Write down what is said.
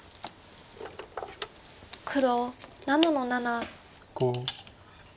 黒７の七。